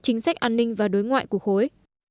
chính sách an ninh và đối ngoại của khối